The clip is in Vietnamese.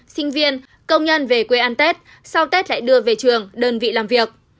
sinh viên công nhân về quê ăn tết sau tết lại đưa về trường đơn vị làm việc